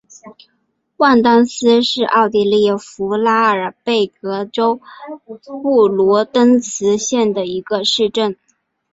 万丹斯是奥地利福拉尔贝格州布卢登茨县的一个市镇。